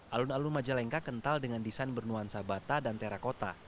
alun alun majalengka kental dengan desain bernuansa bata dan terakota